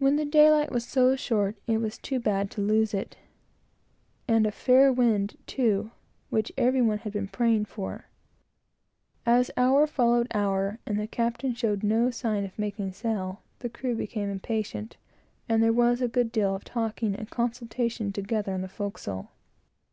When the daylight was so short, it was too bad to lose it, and a fair wind, too, which every one had been praying for. As hour followed hour, and the captain showed no sign of making sail, the crew became impatient, and there was a good deal of talking and consultation together, on the forecastle.